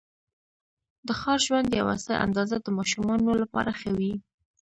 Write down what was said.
د ښار ژوند یوه څه اندازه د ماشومانو لپاره ښه وې.